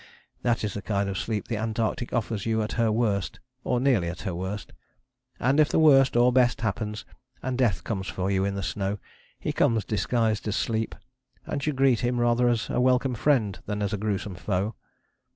That is the kind of sleep the Antarctic offers you at her worst, or nearly at her worst. And if the worst, or best, happens, and Death comes for you in the snow, he comes disguised as Sleep, and you greet him rather as a welcome friend than as a gruesome foe.